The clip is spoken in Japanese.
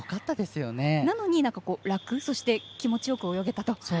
なのに、楽そして気持ちよく泳げたと。